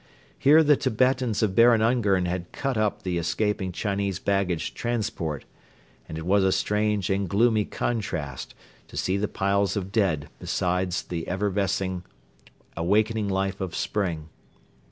Here the Tibetans of Baron Ungern had cut up the escaping Chinese baggage transport; and it was a strange and gloomy contrast to see the piles of dead besides the effervescing awakening life of spring.